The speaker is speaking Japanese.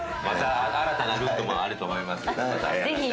また新たなルートもあると思いますんで。